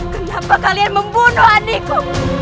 kenapa kalian membunuh adikku